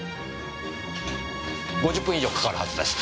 ５０分以上かかるはずです。